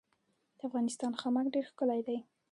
د افغانستان خامک ډیر ښکلی دی